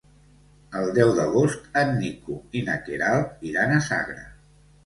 El deu d'agost en Nico i na Queralt iran a Sagra.